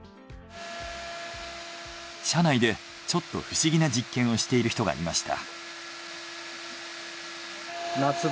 社内でちょっと不思議な実験をしている人がいました。